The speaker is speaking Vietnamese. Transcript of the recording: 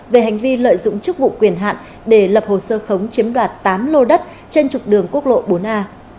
về hành vi lợi dụng chức vụ quyền hạn để lập hồ sơ khống chiếm đoạt tám lô đất trên trục đường quốc lộ bốn a